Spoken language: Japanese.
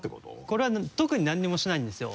これは特に何もしてないんですよ。